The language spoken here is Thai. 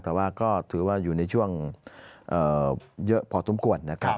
แต่ว่าก็ถือว่าอยู่ในช่วงเยอะพอสมควรนะครับ